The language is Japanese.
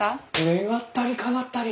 願ったりかなったり！